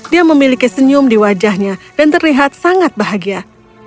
dia memiliki senyum di wajahnya dan terlihat sangat bahagia